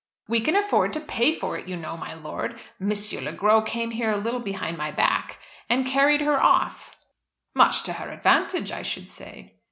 "We can afford to pay for it, you know, my lord. M. Le Gros came here a little behind my back, and carried her off." "Much to her advantage, I should say."